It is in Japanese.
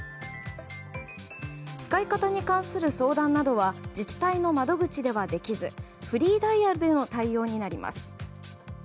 使い方に関する相談などは自治体の窓口ではできずフリーダイヤルでの対応になります。